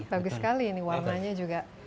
bagus sekali ini warnanya juga